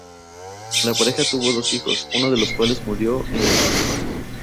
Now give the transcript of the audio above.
La pareja tuvo dos hijos, uno de los cuales murió en la niñez.